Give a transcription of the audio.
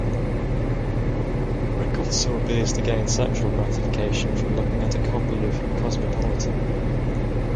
Rik also appears to gain sexual gratification from looking at a copy of "Cosmopolitan".